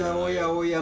おや？